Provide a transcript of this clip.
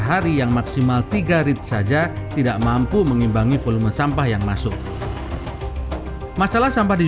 hari yang maksimal tiga rit saja tidak mampu mengimbangi volume sampah yang masuk masalah sampah di